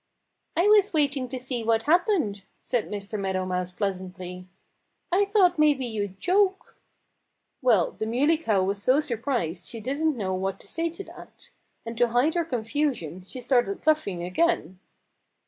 "I was waiting to see what happened," said Master Meadow Mouse pleasantly. "I thought maybe you'd choke." Well, the Muley Cow was so surprised she didn't know what to say to that. And to hide her confusion she started coughing again.